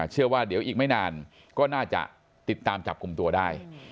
เชื่อว่าเดี๋ยวอีกไม่นานก็น่าจะติดตามจับกลุ่มตัวได้